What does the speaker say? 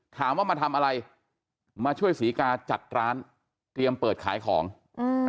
ถามว่ามาทำอะไรมาช่วยศรีกาจัดร้านเตรียมเปิดขายของอืม